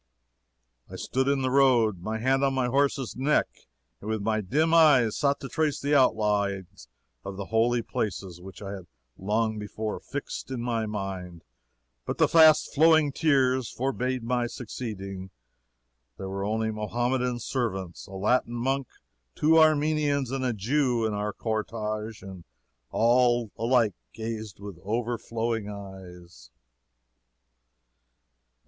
"I stood in the road, my hand on my horse's neck, and with my dim eyes sought to trace the outlines of the holy places which I had long before fixed in my mind, but the fast flowing tears forbade my succeeding. There were our Mohammedan servants, a Latin monk, two Armenians and a Jew in our cortege, and all alike gazed with overflowing eyes."